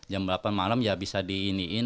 jam delapan malam ya bisa di iniin